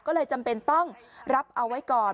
ก็เลยจำเป็นต้องรับเอาไว้ก่อน